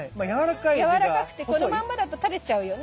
やわらかくてこのまんまだと垂れちゃうよね。